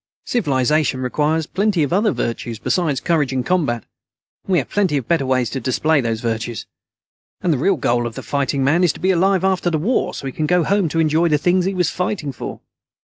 Civilization requires plenty of other virtues besides courage in combat, and we have plenty of better ways to display those virtues. And the real goal of the fighting man is to be alive after the war so he can go home to enjoy the things he was fighting for."